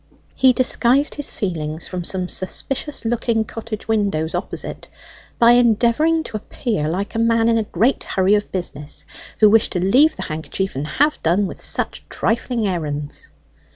He disguised his feelings from some suspicious looking cottage windows opposite by endeavouring to appear like a man in a great hurry of business, who wished to leave the handkerchief and have done with such trifling errands.